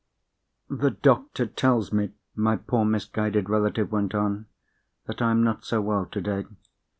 "The doctor tells me," my poor misguided relative went on, "that I am not so well today.